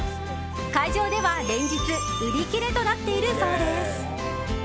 会場では連日売り切れとなっているそうです。